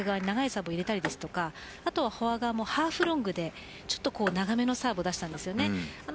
長いバックサーブを入れたりフォア側もハーフロングで長めのサーブを出したんですよね。